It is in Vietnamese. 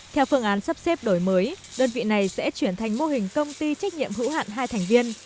theo phương án sắp xếp đổi mới đơn vị này sẽ chuyển thành mô hình công ty trách nhiệm hữu hạn hai thành viên